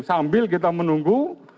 sambil kita menunggu